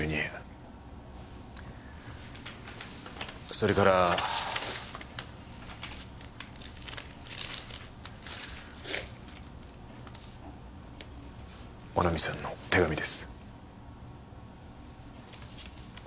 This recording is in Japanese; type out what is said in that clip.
それから。もなみさんの手紙です。